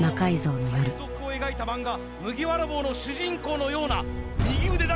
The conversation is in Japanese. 海賊を描いた漫画麦わら帽の主人公のような右腕だけ。